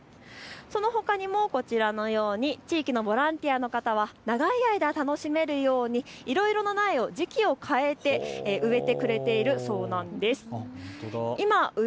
そのほかにもこちらのように地域のボランティアの方が長い間楽しめるようにいろいろな苗をいろいろと変えて植えてくれているそうです。